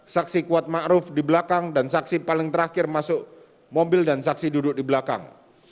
saksi kuat ⁇ maruf ⁇ di belakang dan saksi paling terakhir masuk mobil dan saksi duduk di belakang